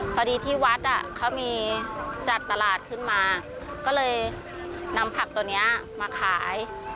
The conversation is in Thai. พอดีที่วัดเขามีจัดตลาดขึ้นมาก็เลยนำผักตัวนี้มาขาย